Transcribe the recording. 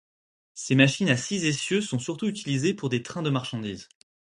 Ces machines à six essieux sont surtout utilisées pour des trains de marchandises.